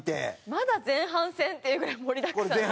まだ前半戦？っていうぐらい盛りだくさんで。